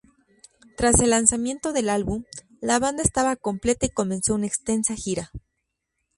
Tras el lanzamiento del álbum, la banda estaba completa y comenzó una extensa gira.